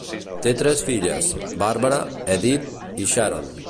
Té tres filles: Barbara, Edith i Sharon.